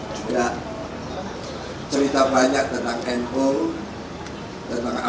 juga cerita banyak tentang mpo tentang amalah beliau